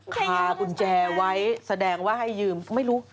คากุญแจไว้แสดงว่าให้ยืมไม่รู้